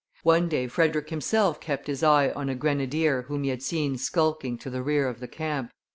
One day Frederick himself kept his eye on a grenadier whom he had seen skulking to the rear of the camp.